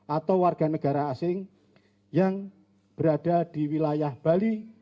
atau warga negara asing yang berada di wilayah bali